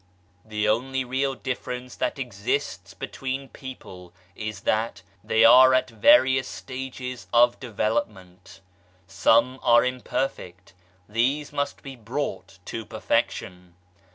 The only real difference that exists between people is that they are at various stages of development. Some are imperfect these must be brought to perfection.